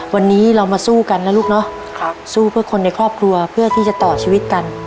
วันนี้เรามาสู้กันนะลูกเนาะสู้เพื่อคนในครอบครัวเพื่อที่จะต่อชีวิตกัน